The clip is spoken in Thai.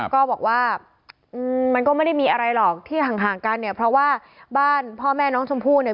ก็บอกว่ามันก็ไม่ได้มีอะไรหรอกที่ห่างกันเนี่ยเพราะว่าบ้านพ่อแม่น้องชมพู่เนี่ย